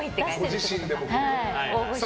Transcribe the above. ご自身でも。